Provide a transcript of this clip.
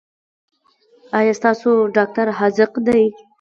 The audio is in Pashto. ایا ستاسو ډاکټر حاذق دی؟